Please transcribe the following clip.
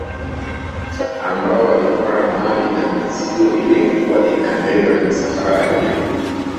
Ambao walipora mali na mizigo iliyokuwa inabebwa na misafara hiyo